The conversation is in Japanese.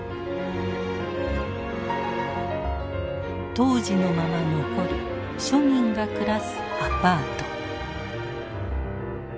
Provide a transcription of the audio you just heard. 当時のまま残る庶民が暮らすアパート。